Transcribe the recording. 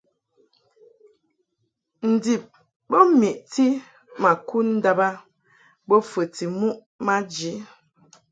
Ndib bo meʼti ma kud ndàb a bo fəti muʼ maji.